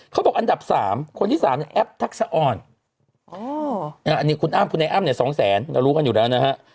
เขาบอกอันดับสามคนที่สามแอปทักษะอ่อนอันนี้คุณไอ้อ้ำเนี่ยสองแสนเรารู้กันอยู่แล้วนะฮะ